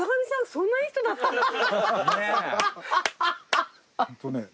そんないい人だったんだって。